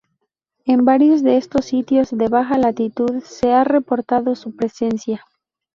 En varios de estos sitios de baja latitud se ha reportado su presencia.